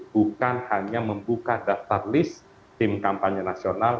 bukan hanya membuka daftar list tim kampanye nasional